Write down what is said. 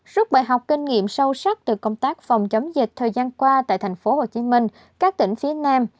suốt bài học kinh nghiệm sâu sắc từ công tác phòng chống dịch thời gian qua tại tp hcm các tỉnh phía nam